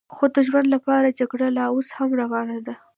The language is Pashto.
خو د ژوند لپاره جګړه لا اوس هم روانه ده.